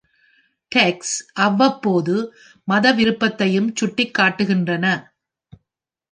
Tax, அவ்வப்போது மத விருப்பத்தையும் சுட்டிக் காட்டுகின்றன.